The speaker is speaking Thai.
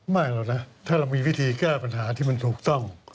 ไม่หรอกนะถ้าเรามีวิธีแก้ปัญหาที่มันถูกต้อง